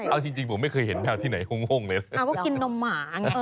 เอาจริงผมไม่เคยเห็นแมวที่ไหนห้งเลยแมวก็กินนมหมาไง